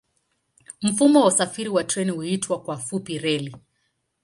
Mfumo wa usafiri kwa treni huitwa kwa kifupi reli.